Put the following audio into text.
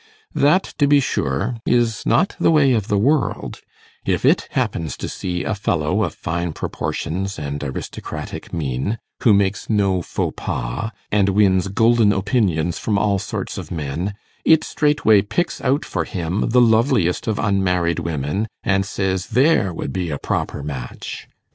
That, to be sure, is not the way of the world: if it happens to see a fellow of fine proportions and aristocratic mien, who makes no faux pas, and wins golden opinions from all sorts of men, it straightway picks out for him the loveliest of unmarried women, and says, There would be a proper match!